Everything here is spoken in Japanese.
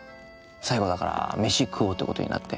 最後だから飯食おうってことになって。